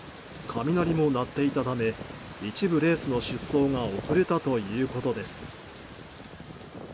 雷も鳴っていたため一部レースの出走が遅れたということです。